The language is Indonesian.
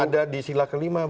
ada di sila kelima